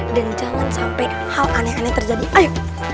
dan jangan sampai hal aneh aneh terjadi ayo